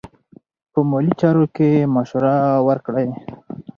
په مالي چارو کې مشوره وکړئ.